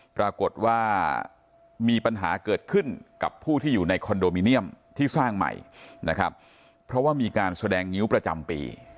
ปรากฏว่ามีปัญหาเกิดขึ้นกับผู้ที่อยู่ในคอนโดมิเนียมที่สร้างใหม่นะครับเพราะว่ามีการแสดงงิ้วประจำปี